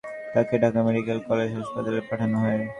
রাসেলের অবস্থার অবনতি হলে তাঁকে ঢাকা মেডিকেল হলেজ হাসপাতালে পাঠানো হয়।